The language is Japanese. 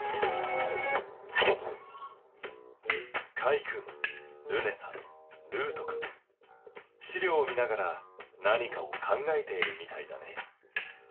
カイ君ルネさんるうと君資料を見ながら何かを考えているみたいだね。